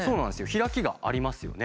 開きがありますよね。